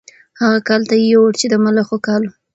هغه کال ته یې یوړ چې د ملخو کال و.